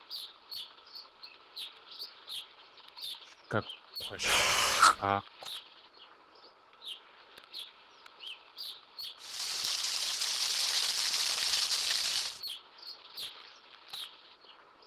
Sh kakg̲washxʼáak̲w.